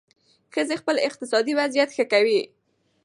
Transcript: ښځې خپل اقتصادي وضعیت ښه کوي.